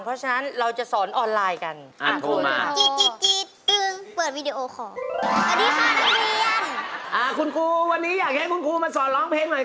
คุณอาจารย์มันจะมีอยู่ท่องสุดท้ายค่ะแล้วก็ต้องทำให้มันพอตรงไหนยังไงคุณคนบ้านเดียวกันแค่มองตากันก็เข้าใจอยู่